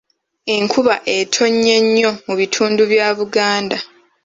Enkuba etonnye nnyo mu bitundu bya Buganda.